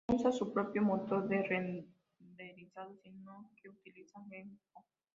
No usa su propio motor de renderizado sino que utiliza Gecko.